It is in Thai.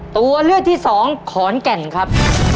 ตัวเลือกที่สองขอนแก่นครับ